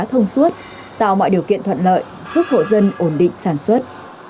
thông suốt tạo mọi điều kiện thuận lợi giúp hộ dân ổn định sản xuất